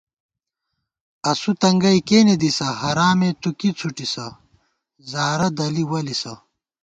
اسُو تنگَئ کېنےدِسہ، حرامےتُوکی څھُٹِسہ، زارہ دَلی ولِسہ